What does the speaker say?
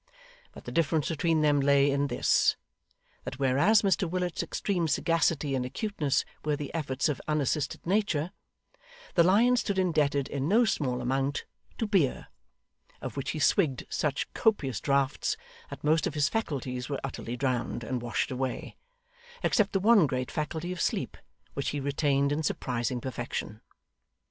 But the difference between them lay in this: that whereas Mr Willet's extreme sagacity and acuteness were the efforts of unassisted nature, the Lion stood indebted, in no small amount, to beer; of which he swigged such copious draughts, that most of his faculties were utterly drowned and washed away, except the one great faculty of sleep, which he retained in surprising perfection.